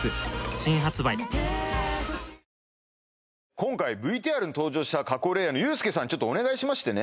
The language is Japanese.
今回ＶＴＲに登場した加工レイヤーのゆうすけさんにちょっとお願いしましてね